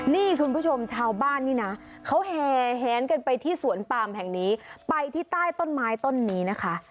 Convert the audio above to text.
นี่คุณผู้ชมชาวบ้านนี่นะเขาแห่แหนกันไปที่สวนปามแห่งนี้ไปที่ใต้ต้นไม้ต้นนี้นะคะ